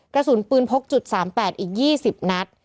กระสุนปืนพกจุด๓๘อีก๒๐นัด